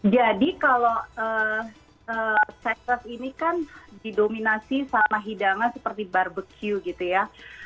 jadi kalau syarif ini kan didominasi sama hidangan seperti barbeque gitu ya